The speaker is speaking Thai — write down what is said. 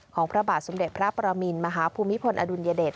พระบาทสมเด็จพระปรมินมหาภูมิพลอดุลยเดช